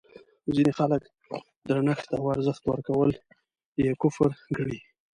ځینې خلک درنښت او ارزښت ورکول یې کفر ګڼي.